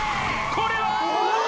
これは！